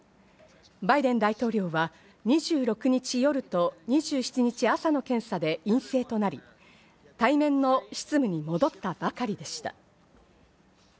バイデン大統領は２６日夜と２７日朝の検査で陰性となり、対面の執務に戻ったばかりでした。